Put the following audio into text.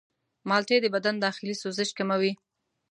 مالټې د بدن داخلي سوزش کموي.